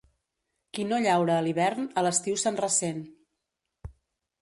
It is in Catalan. Qui no llaura a l'hivern, a l'estiu se'n ressent.